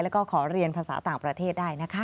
แล้วก็ขอเรียนภาษาต่างประเทศได้นะคะ